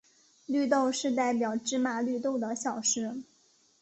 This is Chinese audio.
绿豆是代表芝麻绿豆的小事。